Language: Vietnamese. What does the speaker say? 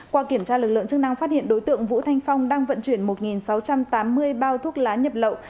qua kiểm tra lực lượng chức năng phát hiện đối tượng vũ thanh phong đang vận chuyển một sáu trăm tám mươi bao thuốc lá nhập lậu